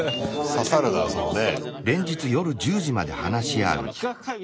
刺さるなそのね。